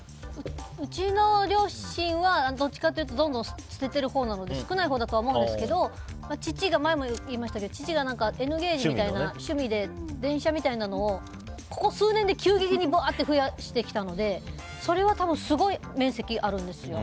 うちの両親はどっちかというとどんどん捨ててるほうなので少ないほうだとは思うんですけど前も言いましたけど父がＮゲージとか趣味で電車みたいなのをここ数年で急激に増やしてきたのでそれは、すごい面積があるんです。